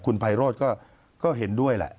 คุณไพโรธก็เห็นด้วยแหละ